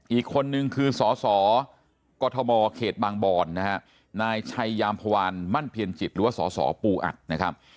อีกคนนึงคือสสกมเขตบางบอนนะฮะนายชัยยามพวานมั่นเพียรจิตหรือว่าสสปูอัดนะครับ